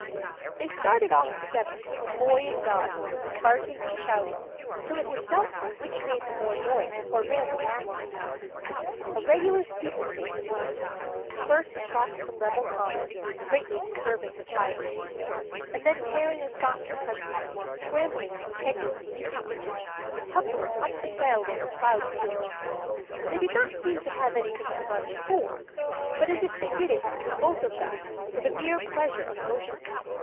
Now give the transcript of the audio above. They started off together, boy and dog barking and shouting, till it was doubtful which made the more noise or ran the faster. A regular steeplechase it was: first across the level common, greatly disturbing the quiet sheep; and then tearing away across country, scrambling through hedges and leaping ditches, and tumbling up and down over plowed fields. They did not seem to have anything to run for but as if they did it, both of them, for the mere pleasure of motion.